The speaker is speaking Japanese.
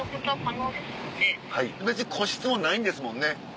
別に個室もないんですもんね？